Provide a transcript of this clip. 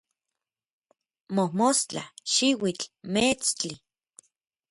mojmostla, xiuitl, meetstli